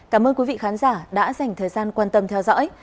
cảm ơn quý vị khán giả đã dành thời gian quan tâm theo dõi